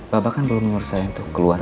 bapak kan belum ngurus sayang tuh keluar